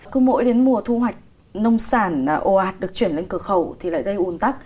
cứ mỗi đến mùa thu hoạch nông sản ồ ạt được chuyển lên cửa khẩu thì lại gây ồn tắc